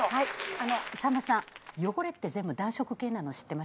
さんまさん汚れって全部暖色系なの知ってました？